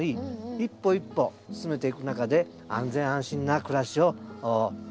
一歩一歩進めていく中で安全安心な暮らしを作っていきましょう。